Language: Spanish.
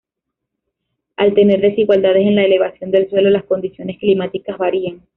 Al tener desigualdades en la elevación del suelo, las condiciones climáticas varían.